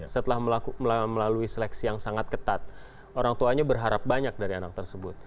setelah melalui seleksi yang sangat ketat orang tuanya berharap banyak dari anak tersebut